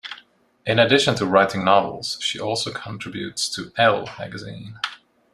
In addition to writing novels, she also contributes to "Elle" magazine.